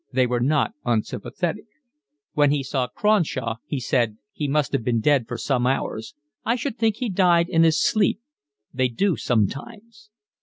They were not unsympathetic. When he saw Cronshaw, he said: "He must have been dead for some hours. I should think he died in his sleep. They do sometimes."